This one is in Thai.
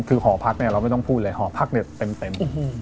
คือหอพักเนี่ยเราไม่ต้องพูดเลยหอพักเนี่ยเต็ม